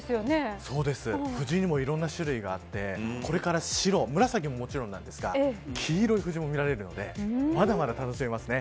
藤にもいろんな種類があってこれから白紫もそうなんですが黄色い藤も見られるのでまだまだ楽しめそうですね。